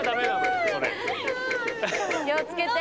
気をつけて。